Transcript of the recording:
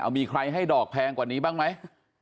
มีใครให้ดอกแพงกว่านี้บ้างไหม